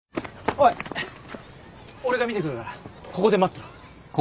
おい俺が見てくるからここで待ってろ。